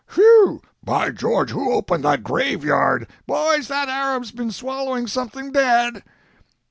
"Whew!" "By George, who opened that graveyard?" "Boys, that Arab's been swallowing something dead!"